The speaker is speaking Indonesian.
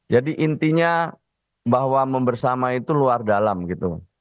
jadi intinya bahwa membersamai itu luar dalam gitu